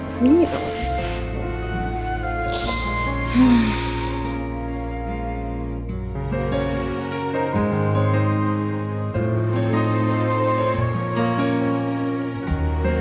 boleh kamu masam